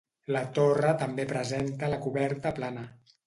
La torre també presenta la coberta plana.